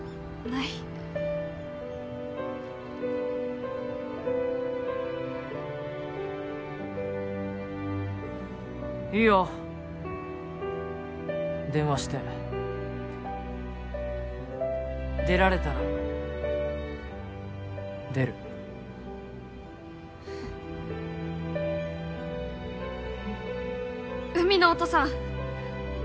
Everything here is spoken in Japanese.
いいよ電話して出られたら出る海野音さん